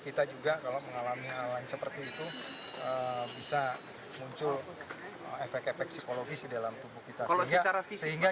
kita juga kalau mengalami hal lain seperti itu bisa muncul efek efek psikologis di dalam tubuh kita sehingga